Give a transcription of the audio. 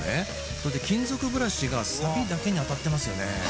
それで金属ブラシがサビだけに当たってますよね